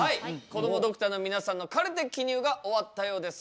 こどもドクターの皆さんのカルテ記入が終わったようです。